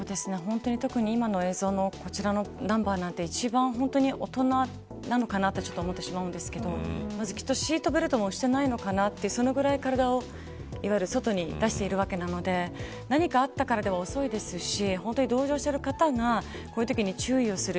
特に今の映像のこちらのナンバーなんて一番、大人なのかなと思ってしまうんですけどきっとシートベルトもしてないのかなってそのぐらい体を外に出しているわけなので何かあってからでは遅いですし同乗している方がこういうときに注意をする。